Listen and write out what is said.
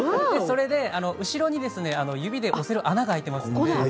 後ろに、指で押せる穴が開いています。